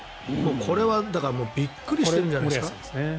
これはびっくりしてるんじゃないですか？